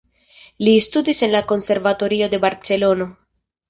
Li studis en la Konservatorio de Barcelono.